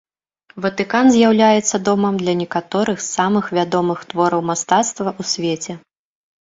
Ватыкан з'яўляецца домам для некаторых з самых вядомых твораў мастацтва ў свеце.